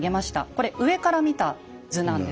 これ上から見た図なんです。